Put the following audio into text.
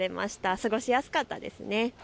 過ごしやすかったですね。